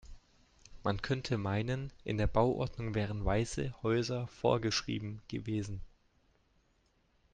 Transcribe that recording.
Man könnte meinen in der Bauordnung wären weiße Häuser vorgeschrieben gewesen.